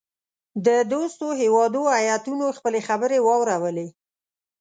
د دوستو هیوادو هیاتونو خپلي خبرې واورلې.